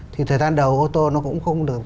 thì thời gian đầu ô tô nó cũng không được